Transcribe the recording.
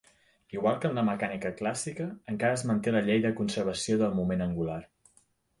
Igual que en la mecànica clàssica, encara es manté la llei de conservació del moment angular.